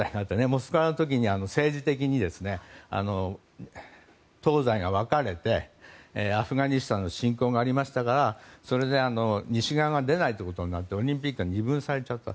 モスクワの時に政治的に東西が分かれてアフガニスタン侵攻がありましたからそれで西側が出ないということになってオリンピックが二分されてしまった。